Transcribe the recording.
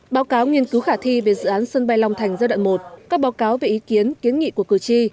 báo cáo nghiên cứu khả thi về dự án sân bay long thành giai đoạn một các báo cáo về ý kiến kiến nghị của cử tri